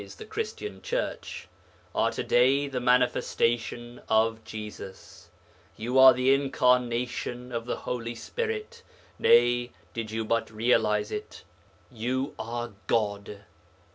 the Christian Church) are to day the Manifestation of Jesus; you are the Incarnation of the Holy Spirit; nay, did you but realize it, you are God.'